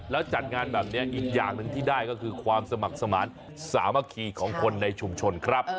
แล้วจัดงานแบบนี้อีกอย่างหนึ่งที่ได้ก็คือความสมัครสมานสามัคคีของคนในชุมชนครับ